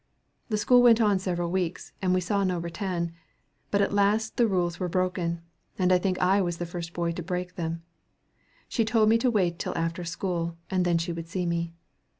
The school went on several weeks, and we saw no rattan; but at last the rules were broken, and I think I was the first boy to break them. She told me to wait till after school, and then she would see me.